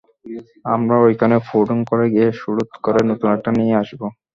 আমরা ঐখানে ফুড়ুৎ করে গিয়ে সুড়ুত করে নতুন একটা নিয়ে আসবো।